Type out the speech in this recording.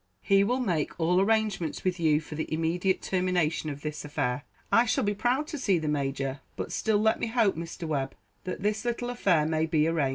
He will make all arrangements with you for the immediate termination of this affair." "I shall be proud to see the Major; but still let me hope, Mr. Webb, that this little affair may be arranged.